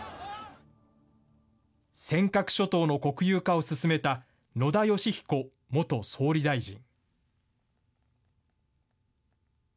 尖閣諸島の国有化を進めた、野田佳彦元総理大臣。